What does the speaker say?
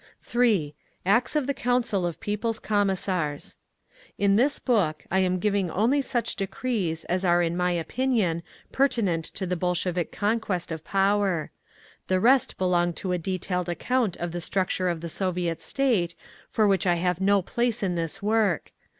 3. ACTS OF THE COUNCIL OF PEOPLE's COMMISSARS In this book I am giving only such decrees as are in my opinion pertinent to the Bolshevik conquest of power. The rest belong to a detailed account of the Structure of the Soviet State, for which I have no place in this work.